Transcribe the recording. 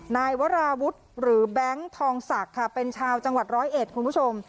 นายวราวุฒิหรือแบงค์ทองศักดิ์ค่ะเป็นชาวจังหวัดร้อยเอ็ดคุณผู้ชม